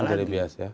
menjadi bias ya